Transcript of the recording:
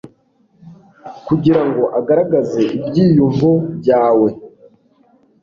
kugirango agaragaze ibyiyumvo byawe